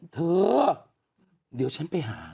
เธอเดี๋ยวฉันไปหา